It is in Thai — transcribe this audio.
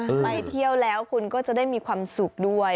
ไปเที่ยวแล้วคุณก็จะได้มีความสุขด้วย